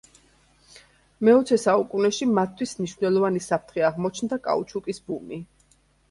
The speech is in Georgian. მეოცე საუკუნეში, მათთვის მნიშვნელოვანი საფრთხე აღმოჩნდა კაუჩუკის ბუმი.